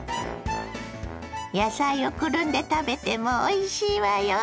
野菜をくるんで食べてもおいしいわよ。